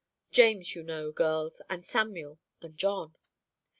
James, you know, girls, and Samuel and John."